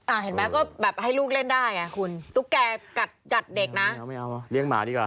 เห็นไหมก็แบบให้ลูกเล่นได้ไงคุณตุ๊กแก่กัดเด็กนะไม่เอาอ่ะเลี้ยงหมาดีกว่า